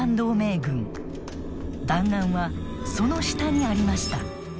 弾丸はその下にありました。